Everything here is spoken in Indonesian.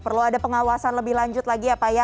perlu ada pengawasan lebih lanjut lagi ya pak ya